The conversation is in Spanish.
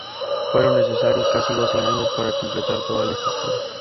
Fueron necesarios casi doce años para completar toda la estructura.